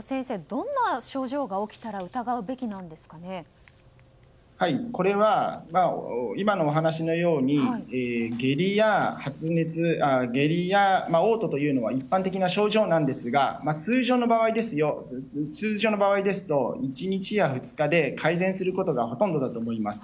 どんな症状が起きたらこれは、今のお話のように下痢や嘔吐というのは一般的な症状なんですが通常の場合ですと１日や２日で改善することがほとんどだと思います。